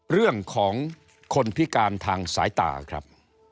เรื่องของคนพิการทางสายตาครับ